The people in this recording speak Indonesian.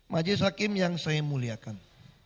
majelis hakim yang saya muliakan